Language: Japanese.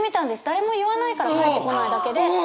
誰も言わないから返ってこないだけで。